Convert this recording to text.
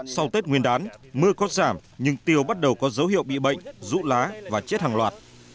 sau tết nguyên đán mưa có giảm nhưng tiêu bắt đầu có dấu hiệu bị bệnh rụ lá và chết hàng loạt